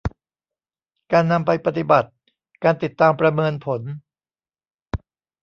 การนำไปปฏิบัติ การติดตามประเมินผล